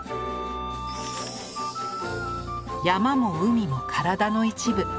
山や海も体の一部。